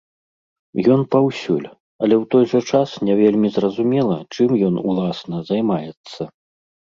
Ён паўсюль, але ў той жа час не вельмі зразумела, чым ён, уласна, займаецца.